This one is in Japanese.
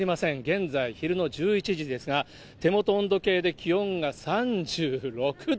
現在昼の１１時ですが、手元温度計で気温が３６度。